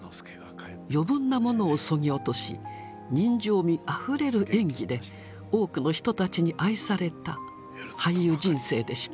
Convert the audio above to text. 余分なものをそぎ落とし人情味あふれる演技で多くの人たちに愛された俳優人生でした。